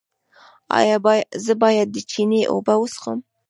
ایا زه باید د چینې اوبه وڅښم؟